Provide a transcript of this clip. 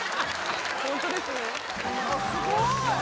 すごーい！